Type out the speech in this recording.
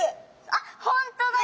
あっ本当だ！